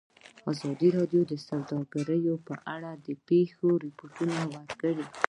ازادي راډیو د سوداګري په اړه د پېښو رپوټونه ورکړي.